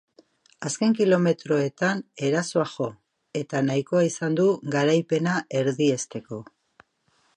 Azken kilometroetan erasoa jo, eta nahikoa izan du garaipena erdiesteko.